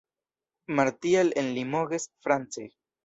Martial en Limoges, France.